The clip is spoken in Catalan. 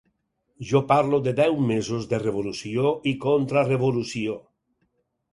Jo parlo de deu mesos de revolució i contrarevolució.